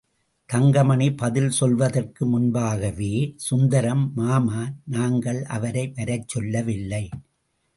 தங்கமணி பதில் சொல்வதற்கு முன்பாகவே சுந்தரம், மாமா, நாங்கள் அவரை வரச்சொல்லவில்லை.